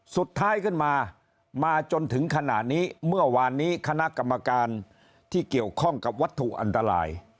สุดท้ายขึ้นมามาจนถึงขณะนี้เมื่อวานนี้คณะกรรมการที่เกี่ยวข้องกับวัตถุอันตราย